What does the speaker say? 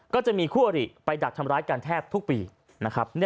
ก็จะมีคู่อริไปดักทำร้ายกันแทบทุกปีนะครับ